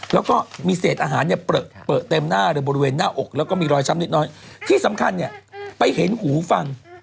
แล้วก็มีเศษอาหารเนี่ยเปลือเต็มหน้าเลยบริเวณหน้าอกแล้วก็มีรอยช้ำนิดน้อยที่สำคัญเนี่ยไปเห็นหูฟัง